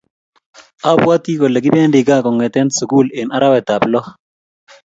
Abwati kole kipendi kaa kongete sukul eng arawet ab lok